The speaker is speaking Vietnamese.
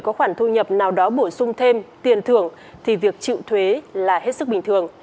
có khoản thu nhập nào đó bổ sung thêm tiền thưởng thì việc chịu thuế là hết sức bình thường